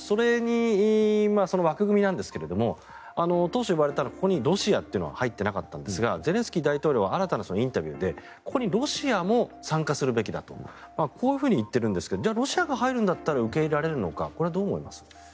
その枠組みなんですが当初、言われたのはここにロシアというのは入っていなかったんですがゼレンスキー大統領は新たなインタビューでここにロシアも参加するべきだと言っているんですがじゃあロシアが入るんだったら受け入れられるのかこれはどう思いますか。